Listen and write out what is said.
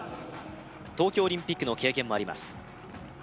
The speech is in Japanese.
東京オリンピックの経験もあります